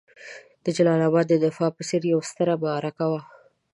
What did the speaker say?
د جلال اباد د دفاع په څېر یوه ستره معرکه وه.